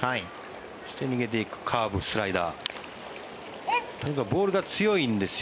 そして逃げていくカーブ、スライダーとにかくボールが強いんですよ。